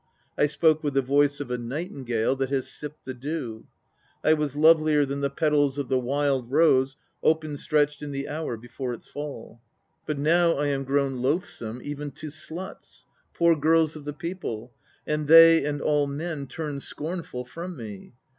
I spoke with the voice of a nightingale that has sipped the dew. I was lovelier than the petals of the wild rose open stretched In the hour before its fall. But now I am grown loathsome even to sluts, Poor girls of the people, and they and all men Turn scornful from me.